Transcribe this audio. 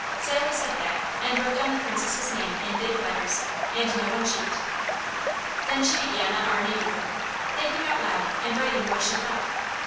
Sally said that, and wrote down the Princess' name in big letters, and no one cheeped. Then she began on our neighbourhood, thinking out loud and writing what she thought.